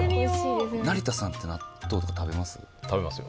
成田さんって納豆とか食べます？